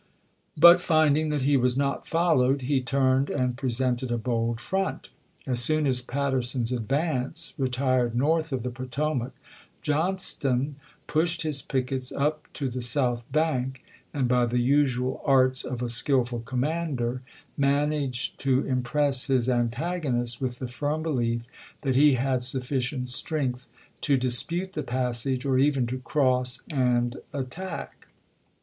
But finding that he was not followed, he turned and presented a bold front. As soon as Patterson's advance retired north of the Potomac, Johnston pushed his pickets up to the south bank, and by the usual arts of a skillful commander managed to impress his antagonist with the firm belief that he had sufficient strength to dispute the passage, or even to cross and attack.